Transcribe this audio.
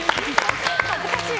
恥ずかしい。